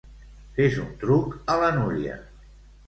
Fes un truc a la Núria.